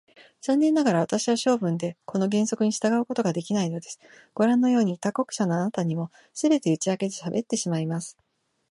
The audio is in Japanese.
残念ながら、私は性分でこの原則に従うことができないのです。ごらんのように、他国者のあなたにも、すべて打ち明けてしゃべってしまいます。